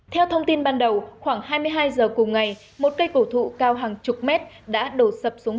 theo thông tin ban đầu khoảng hai mươi hai h cùng ngày một cây cổ thụ cao hàng chục mét đã đổ sập xuống